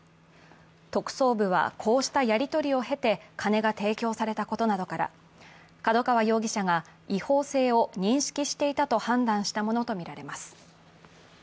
特捜部は、こうしたやり取りを経て金が提供されたことなどから角川容疑者が違法性を認識していたと判断したものとみられます。